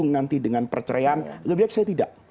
saya tidak akan menerima